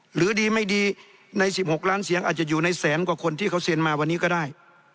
หรือดีไม่ดีใน๑๖ล้านเสียงอาจจะอยู่ในแสนกว่าคนที่เขาเซ็นมาวันนี้ก็ได้